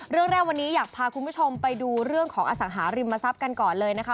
เรื่องแรกวันนี้อยากพาคุณผู้ชมไปดูเรื่องของอสังหาริมทรัพย์กันก่อนเลยนะคะ